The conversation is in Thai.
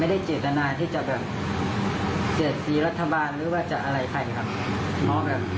ไม่ได้เจตนาที่จะแบบเสียดสีรัฐบาลหรือว่าจะอะไรใครครับ